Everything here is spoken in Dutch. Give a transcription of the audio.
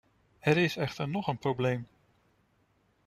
Er is echter nog een probleem.